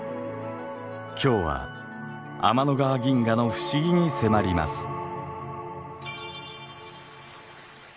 今日は天の川銀河の不思議に迫ります。